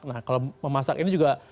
nah kalau memasak ini juga